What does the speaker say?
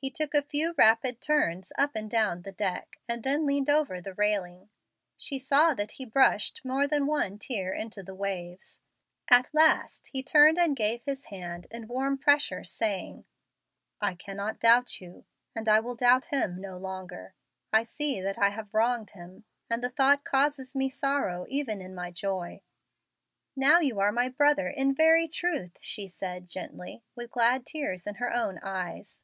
He took a few rapid turns up and down the deck and then leaned over the railing. She saw that he brushed more than one tear into the waves. At last he turned and gave his hand in warm pressure, saying, "I cannot doubt you, and I will doubt Him no longer. I see that I have wronged Him, and the thought causes me sorrow even in my joy." "Now you are my brother in very truth," she said, gently, with glad tears in her own eyes.